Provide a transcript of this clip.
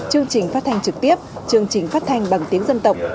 chương trình phát thanh trực tiếp chương trình phát thanh bằng tiếng dân tộc